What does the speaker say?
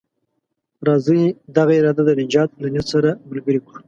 راځئ دغه اراده د نجات له نيت سره ملګرې کړو.